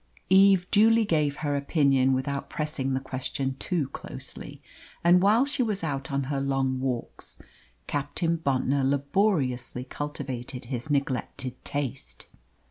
Eve duly gave her opinion without pressing the question too closely, and while she was out on her long walks Captain Bontnor laboriously cultivated his neglected taste.